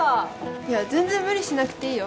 いや全然無理しなくていいよ